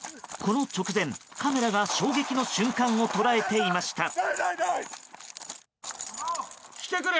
この直前、カメラが衝撃の瞬間を捉えていました。